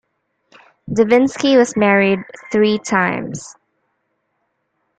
Divinsky was married three times.